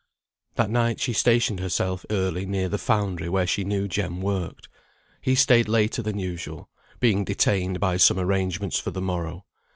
That night she stationed herself early near the foundry where she knew Jem worked; he stayed later than usual, being detained by some arrangements for the morrow.